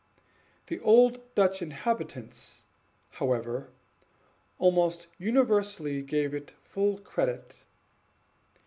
The old Dutch inhabitants, however, almost universally gave it full credit.